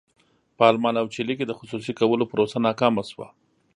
په المان او چیلي کې د خصوصي کولو پروسه ناکامه شوه.